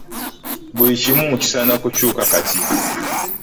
Buli kimu kisaana kukyuka kati.